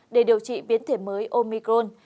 để điều trị biến thể mới omicron